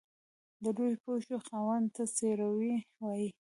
د لويو پښو خاوند ته څپړورے وائي۔